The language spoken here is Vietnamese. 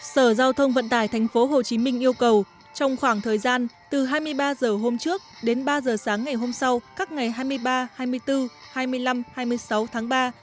sở giao thông vận tải tp hcm yêu cầu trong khoảng thời gian từ hai mươi ba h hôm trước đến ba h sáng ngày hôm sau các ngày hai mươi ba hai mươi bốn hai mươi năm hai mươi sáu tháng ba